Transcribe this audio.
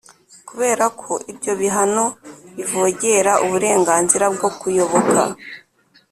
Kubera ko ibyo bihano bivogera uburenganzira bwo kuyoboka